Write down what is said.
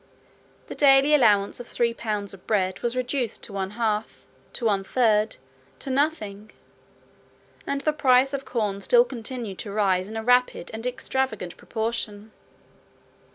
The daily allowance of three pounds of bread was reduced to one half, to one third, to nothing; and the price of corn still continued to rise in a rapid and extravagant proportion.